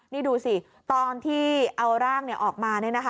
นี่ดูสิตอนที่เอาร่างออกมา